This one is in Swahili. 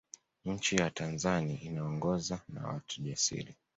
nchi ya tanzani inaongozwa na watu jasiri